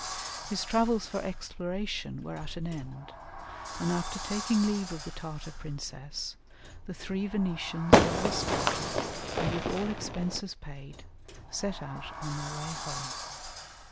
His travels for exploration were at an end, and after taking leave of the Tartar princess, the three Venetians well escorted, and with all expenses paid, set out on their way home.